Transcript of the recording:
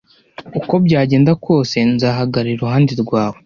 uko byagenda kose, nzahagarara iruhande rwawe.